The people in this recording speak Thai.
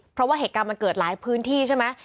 เพราะว่าเหตุการณ์มันเกิดหลายพื้นที่ใช่ไหม